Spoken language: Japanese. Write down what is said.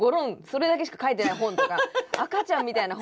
それだけしか書いてない本とか赤ちゃんみたいな本を。